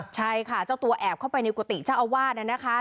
ใช่ค่ะเจ้าตัวแอบเข้าไปในกุฏิเจ้าอาวาสนะคะ